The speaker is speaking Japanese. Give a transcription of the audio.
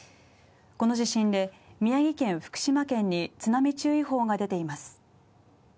この地震で宮城県福島県に津波注意報が出ています。